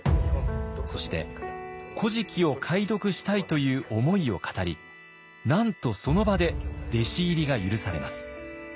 そして「古事記」を解読したいという思いを語りなんとその場で弟子入りが許されます。